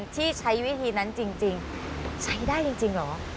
ที่ใช้วิธีนั้นจริงใช้ได้จริงเหรอ